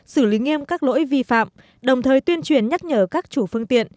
xử lý nghiêm các lỗi vi phạm đồng thời tuyên truyền nhắc nhở các chủ phương tiện